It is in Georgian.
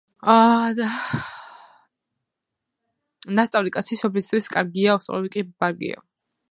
ნასწავლი კაცი სოფლისთვის კარგია უსწავლელი კი ბარგია